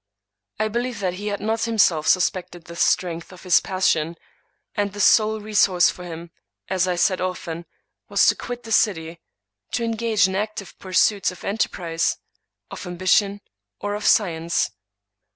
I believe that he had not himself suspected the strength of his passion; and the sole resource for him, as "5 English Mystery Stories I said often, was to quit the city — ^to engage in active pur suits of enterprise, of ambition, or of science.